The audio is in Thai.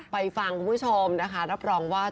ฟังคุณผู้ชมนะคะรับรองว่า